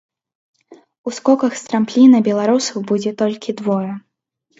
У скоках з трампліна беларусаў будзе толькі двое.